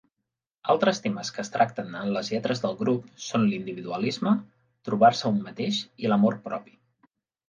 Altres temes que es tracten en les lletres del grup són l'individualisme, trobar-se un mateix i l'amor propi.